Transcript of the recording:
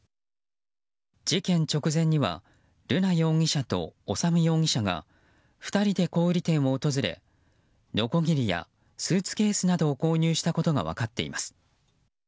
事件直前には瑠奈容疑者と修容疑者が２人で小売店を訪れのこぎりやスーツケースなどを購入したことが分かっています。